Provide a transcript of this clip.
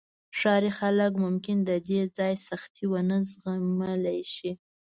ښاري خلک ممکن د دې ځای سختۍ ونه زغملی شي